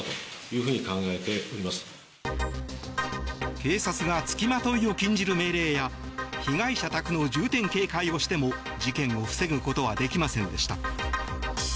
警察が付きまといを禁じる命令や被害者宅の重点警戒をしても事件を防ぐことはできませんでした。